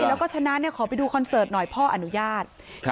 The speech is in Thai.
ใช่แล้วก็ฉะนั้นเนี่ยขอไปดูคอนเสิร์ตหน่อยพ่ออนุญาตครับ